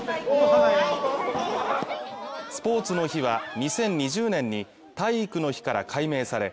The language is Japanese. スポーツの日は２０２０年に体育の日から改名され